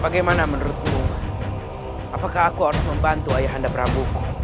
bagaimana menurutmu apakah aku harus membantu ayah anda peramuku